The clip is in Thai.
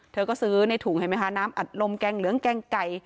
เธอก็ซื้อในถุงน้ำอัดลมแกล้งเหลืองแกล้งไก่